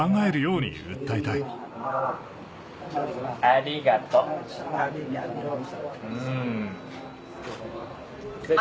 ありがとうん。